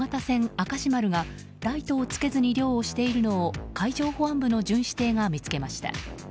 「明石丸」がライトをつけずに漁をしているのを海上保安部の巡視艇が見つけました。